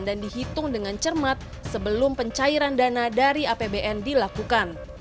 dan dihitung dengan cermat sebelum pencairan dana dari apbn dilakukan